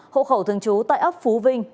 hộ khẩu thường trú tại ấp phú vinh